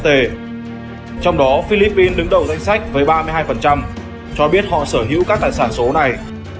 trong đó philippines đứng đầu danh sách với ba mươi hai cho biết họ sở hữu các tài sản số này